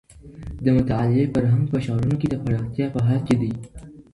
د مطالعې فرهنګ په ښارونو کي د پراختيا په حال کي دی.